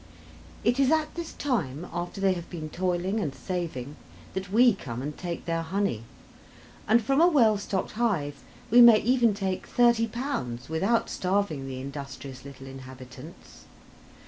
It is at this time, after they have been toiling and saving, that we come and take their honey; and from a well stocked hive we may even take 30 lbs. without starving the industrious little inhabitants.